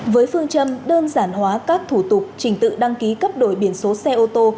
với phương châm đơn giản hóa các thủ tục trình tự đăng ký cấp đổi biển số xe ô tô